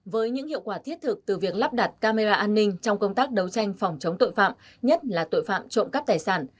với những hiệu quả thiết thực từ việc lắp đặt camera an ninh trong công tác đấu tranh phòng chống tội phạm nhất là tội phạm trộm cắp tài sản